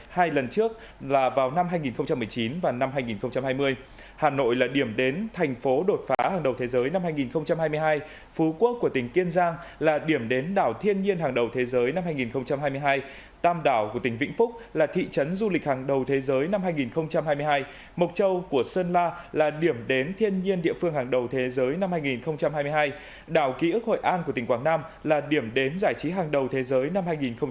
hai lần trước là vào năm hai nghìn một mươi chín và năm hai nghìn hai mươi hà nội là điểm đến thành phố đột phá hàng đầu thế giới năm hai nghìn hai mươi hai phú quốc của tỉnh kiên giang là điểm đến đảo thiên nhiên hàng đầu thế giới năm hai nghìn hai mươi hai tam đảo của tỉnh vĩnh phúc là thị trấn du lịch hàng đầu thế giới năm hai nghìn hai mươi hai mộc châu của sơn la là điểm đến thiên nhiên địa phương hàng đầu thế giới năm hai nghìn hai mươi hai đảo ký ức hội an của tỉnh quảng nam là điểm đến giải trí hàng đầu thế giới năm hai nghìn hai mươi hai